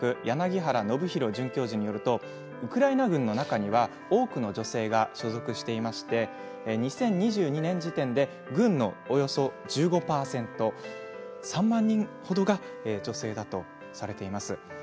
柳原伸洋准教授によるとウクライナ軍の中には多くの女性が所属していまして２０２２年時点で軍のおよそ１５％３万人ほどが女性だとされています。